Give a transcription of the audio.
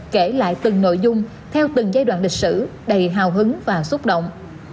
kể lại từng nội dung theo từng giai đoạn lịch sử đầy hào hứng và xúc động